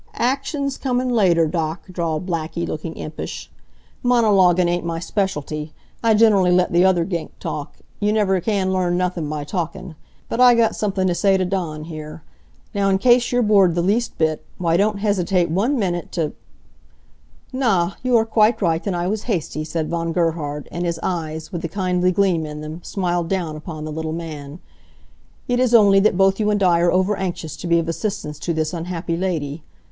"Action's comin' later, Doc," drawled Blackie, looking impish. "Monologuin' ain't my specialty. I gener'ly let the other gink talk. You never can learn nothin' by talkin'. But I got somethin' t' say t' Dawn here. Now, in case you're bored the least bit, w'y don't hesitate one minnit t' " "Na, you are quite right, and I was hasty," said Von Gerhard, and his eyes, with the kindly gleam in them, smiled down upon the little man. "It is only that both you and I are over anxious to be of assistance to this unhappy lady.